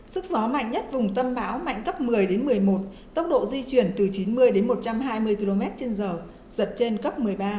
sức gió mạnh nhất vùng tâm bão mạnh cấp một mươi một mươi một tốc độ di chuyển từ chín mươi đến một trăm hai mươi km trên giờ giật trên cấp một mươi ba